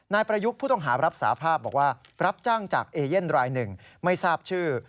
นายประยุกต์ผู้ต้องหารับสาภาพบอกว่ารับจ้างจากเอเย่นรายหนึ่งไม่ทราบชื่อ